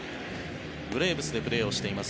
ブレーブスでプレーをしています